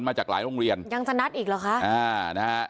มาจากหลายโรงเรียนยังจะนัดอีกหรอคะ